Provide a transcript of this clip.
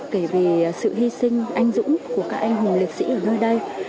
kể vì sự hy sinh anh dũng của các anh hùng liệt sĩ ở nơi đây